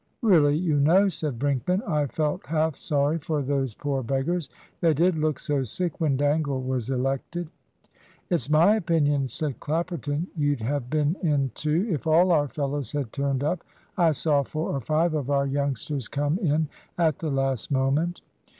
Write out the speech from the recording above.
"Really, you know," said Brinkman, "I felt half sorry for those poor beggars; they did look so sick when Dangle was elected." "It's my opinion," said Clapperton, "you'd have been in too, if all our fellows had turned up. I saw four or five of our youngsters come in at the last moment."